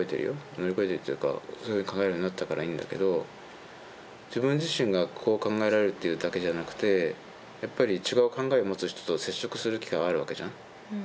乗り越えるっていうかそういうふうに考えられるようになったからいいんだけど自分自身がこう考えられるっていうだけじゃなくてやっぱり違う考えを持つ人と接触する機会はあるわけじゃん。